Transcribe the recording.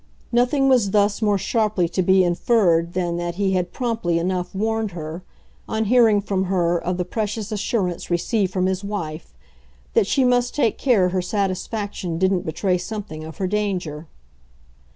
Nothing was thus more sharply to be inferred than that he had promptly enough warned her, on hearing from her of the precious assurance received from his wife, that she must take care her satisfaction didn't betray something of her danger.